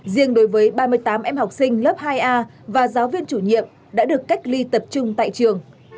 riêng đối với ba mươi tám em học sinh lớp hai a và giáo viên chủ nhiệm đã được cách ly tập trung tại trường